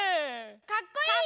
かっこいい！